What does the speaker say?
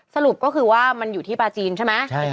สรุปก็คือว่ามันอยู่ที่ปลาจีนใช่ไหม